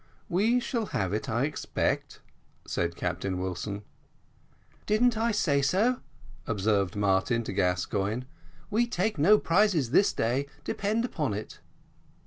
"We shall have it, I expect," said Captain Wilson. "Didn't I say so?" observed Martin to Gascoigne. "We take no prizes this day, depend upon it."